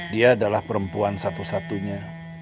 dia adalah perempuan satu satunya